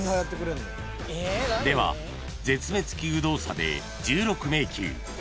では絶滅危惧動作で１６迷宮］